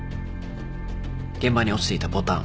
現場に落ちていたボタン。